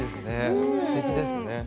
すてきですね。